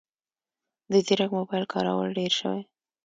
د ځیرک موبایل کارول ډېر شوي